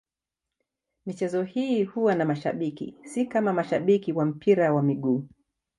Michezo hii huwa na mashabiki, si kama mashabiki wa mpira wa miguu.